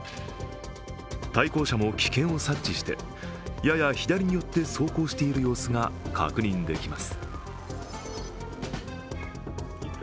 対向車も危険を察知してやや左に寄って走行している様子が確認できます。